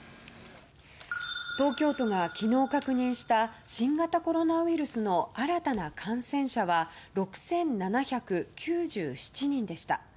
東京都が昨日確認した新型コロナウイルスの新たな感染者は６７９７人でした。